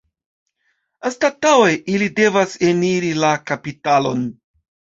Anstataŭe ili devas eniri la kapitalon.